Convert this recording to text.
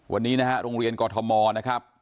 วันนี้นะฮะโรงเรียนกอทมนะครับ